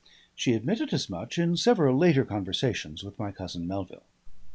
She admitted as much in several later conversations with my cousin Melville.